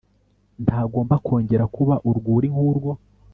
Ntagomba kongera kuba urwuri nkurwo